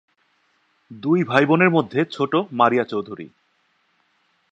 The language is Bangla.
দুই ভাই-বোনের মাঝে ছোট মারিয়া চৌধুরী।